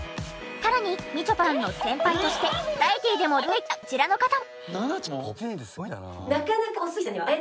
さらにみちょぱさんの先輩としてバラエティーでも大ブレイクしたこちらの方も。